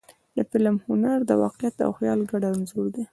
د فلم هنر د واقعیت او خیال ګډ انځور دی.